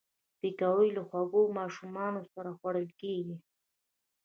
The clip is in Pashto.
پکورې له خوږو ماشومانو سره خوړل کېږي